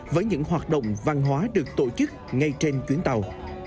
với những hoạt động văn hóa được tổ chức ngay trên chuyến tàu